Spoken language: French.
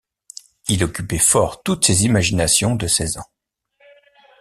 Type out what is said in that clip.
Il occupait fort toutes ces imaginations de seize ans.